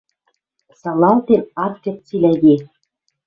Салалтен ат керд цилӓге.